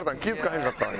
へんかったわ今。